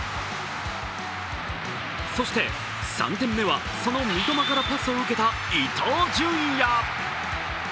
そして、３点目は、その三笘からパスを受けた伊東純也。